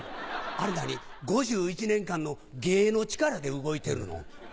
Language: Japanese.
あれ何５１年間の芸の力で動いてるの？